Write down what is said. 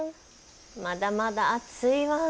まだまだ暑いワン。